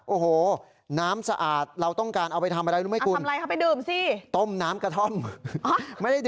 โอ้โหน้ำสะอาด